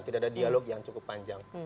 tidak ada dialog yang cukup panjang